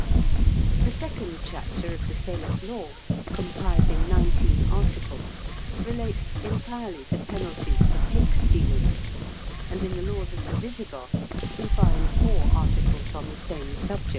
The second chapter of the Salic law, comprising nineteen articles, relates entirely to penalties for pig stealing; and in the laws of the Visigoths we find four articles on the same subject.